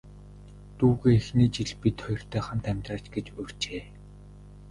Дүүгээ эхний жил бид хоёртой хамт амьдраач гэж урьжээ.